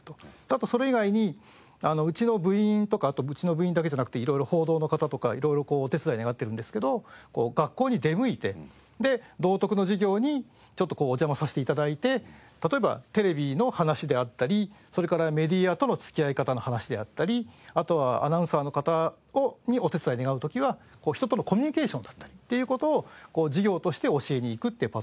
あとそれ以外にうちの部員とかあとうちの部員だけじゃなくて色々報道の方とか色々お手伝い願ってるんですけど学校に出向いてで道徳の授業にちょっとこうお邪魔させて頂いて例えばテレビの話であったりそれからメディアとの付き合い方の話であったりあとはアナウンサーの方にお手伝い願う時は人とのコミュニケーションだったりっていう事を授業として教えに行くっていうパターンもあって。